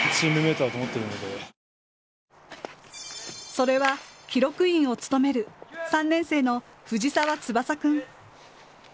それは記録員を務める３年生の藤澤翼君。